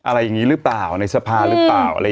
อะไรอย่างนี้หรือเปล่าในสภาหรือเปล่า